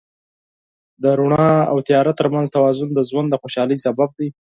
د رڼا او تیاره تر منځ توازن د ژوند د خوشحالۍ سبب دی.